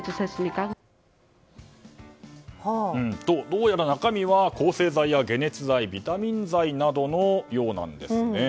どうやら中身は抗生剤や解熱剤ビタミン剤などのようなんです。